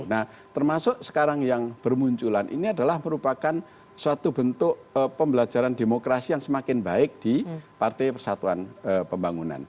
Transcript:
nah termasuk sekarang yang bermunculan ini adalah merupakan suatu bentuk pembelajaran demokrasi yang semakin baik di partai persatuan pembangunan